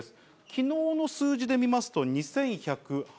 きのうの数字で見ますと２１８１人。